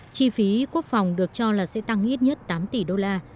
chi phí quốc phòng được cho là sẽ tăng ít nhất tám tỷ đô la